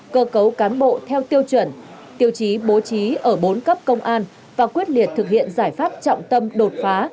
cơ cấu cán bộ theo tiêu chuẩn tiêu chí bố trí ở bốn cấp công an và quyết liệt thực hiện giải pháp trọng tâm đột phá